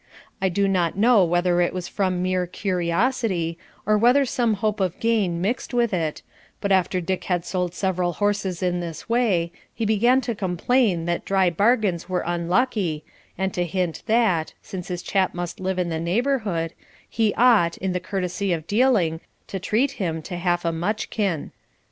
I do not know whether it was from mere curiosity, or whether some hope of gain mixed with it, but after Dick had sold several horses in this way, he began to complain that dry bargains were unlucky, and to hint that, since his chap must live in the neighbourhood, he ought, in the courtesy of dealing, to treat him to half a mutchkin.